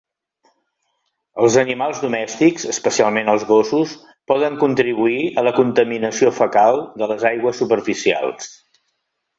Els animals domèstics, especialment els gossos, poden contribuir a la contaminació fecal de les aigües superficials.